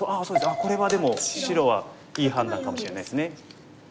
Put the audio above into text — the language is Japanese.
あっこれはでも白はいい判断かもしれないです。